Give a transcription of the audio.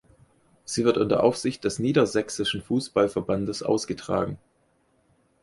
Sie wird unter Aufsicht des Niedersächsischen Fußballverbandes ausgetragen.